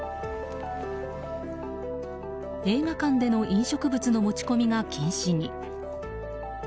映画館での飲食物の持ち込みが禁止に。